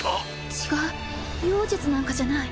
違う妖術なんかじゃない。